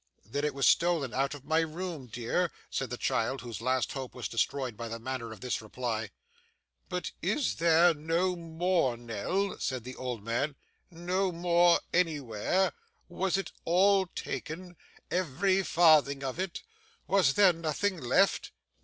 'Then it was stolen out of my room, dear,' said the child, whose last hope was destroyed by the manner of this reply. 'But is there no more, Nell?' said the old man; 'no more anywhere? Was it all taken every farthing of it was there nothing left?